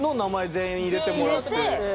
全員入れてもらって。